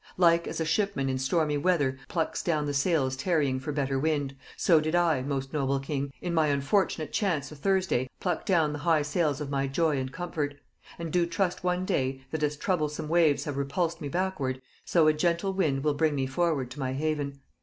"Like as a shipman in stormy weather plucks down the sails tarrying for better wind, so did I, most noble king, in my unfortunate chance a Thursday pluck down the high sails of my joy and comfort; and do trust one day, that as troublesome waves have repulsed me backward, so a gentle wind will bring me forward to my haven.